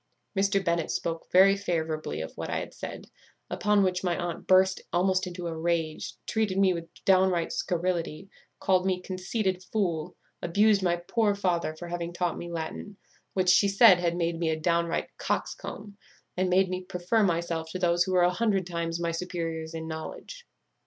Mr. Bennet spoke very favourably of what I had said; upon which my aunt burst almost into a rage, treated me with downright scurrility, called me conceited fool, abused my poor father for having taught me Latin, which, she said, had made me a downright coxcomb, and made me prefer myself to those who were a hundred times my superiors in knowledge.